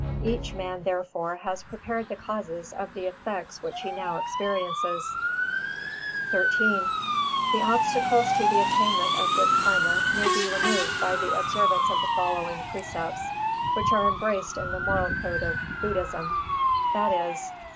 Each man, therefore, has prepared the causes of the effects which he now experiences. XIII The obstacles to the attainment of good karma may be removed by the observance of the following precepts, which are embraced in the moral code of Buddhism, _viz.